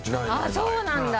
ああそうなんだ！